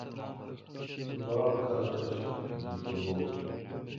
سو باڑکھچ کھچ دریگ تہ گوی۔